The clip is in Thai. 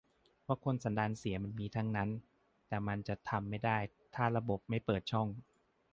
เพราะคนสันดานเสียมันมีทั้งนั้น แต่มันจะทำไม่ได้ถ้าระบบไม่เปิดช่อง